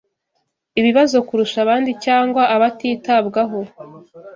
ibibazo kurusha abandi cyangwa abatitabwaho